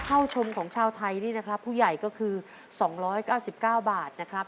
เข้าชมของชาวไทยนี่นะครับผู้ใหญ่ก็คือ๒๙๙บาทนะครับ